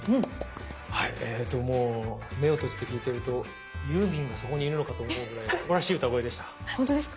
はいえともう目を閉じて聞いてるとユーミンがそこにいるのかと思うぐらいすばらしい歌声でした。